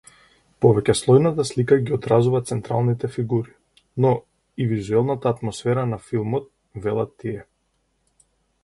Повеќеслојната слика ги одразува централните фигури, но и вузелната атмосфера на филмот, велат тие.